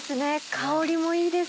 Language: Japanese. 香りもいいです。